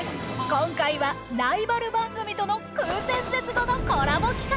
今回はライバル番組との空前絶後のコラボ企画。